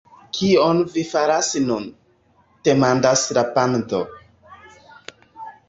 "Kion vi faras nun?" demandas la pando.